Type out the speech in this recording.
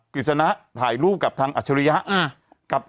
กิจสนะถ่ายรูปกับทางอัจฉริยะ